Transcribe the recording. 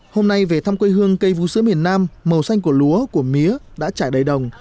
hôm nay về thăm quê hương cây vũ sứ miền nam màu xanh của lúa của mía đã trải đầy đồng